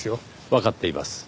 わかっています。